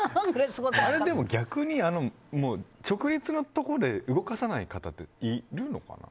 逆に、直立のところで動かさない方っているのかな？